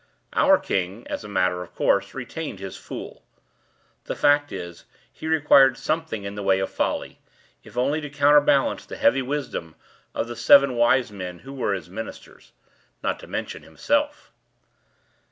Our king, as a matter of course, retained his "fool." The fact is, he required something in the way of folly—if only to counterbalance the heavy wisdom of the seven wise men who were his ministers—not to mention himself.